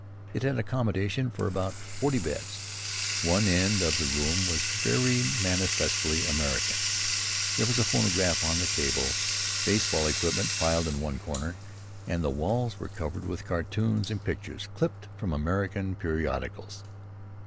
It had accommodation for about forty beds. One end of the room was very manifestly American. There was a phonograph on the table, baseball equipment piled in one corner, and the walls were covered with cartoons and pictures clipped from American periodicals.